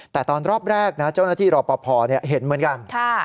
แต่ตอนรอบแรกนะเจ้าหน้าที่รอปภเห็นเหมือนกัน